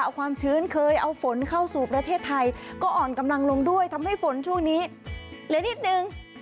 เอาความชื้นเคยเอาฝนเข้าสู่ประเทศไทยก็อ่อนกำลังลงด้วยทำให้ฝนช่วงนี้เหลือนิดนึง